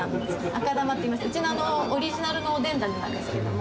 赤玉といいましてうちのオリジナルのおでんだねなんですけれども。